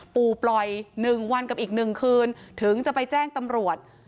ปล่อย๑วันกับอีก๑คืนถึงจะไปแจ้งตำรวจ